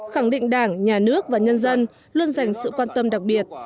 khẳng định đảng nhà nước và nhân dân luôn dành sự quan tâm đặc biệt